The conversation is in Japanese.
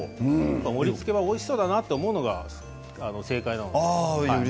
盛りつけはおいしそうだなと思うのが正解なんです。